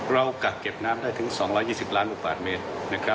กักเก็บน้ำได้ถึง๒๒๐ล้านลูกบาทเมตร